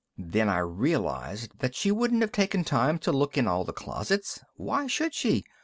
Then I realized that she wouldn't have taken time to look in all the closets. Why should she?